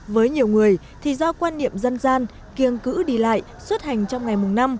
với nhiều người thì do quan niệm dân gian kiêng cứ đi lại xuất hành trong ngày mùng năm